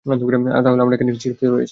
তাহলে আমরা এখানে কী ছিড়তে রয়েছি?